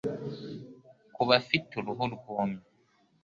Ku bafite uruhu rwumye